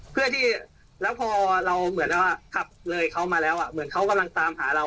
เพื่อที่แล้วพอเราเหมือนว่าขับเลยเขามาแล้วเหมือนเขากำลังตามหาเรา